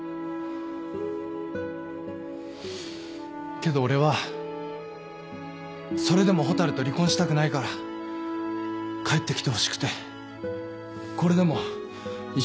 けど俺はそれでも蛍と離婚したくないから帰ってきてほしくてこれでも一生懸命頑張って。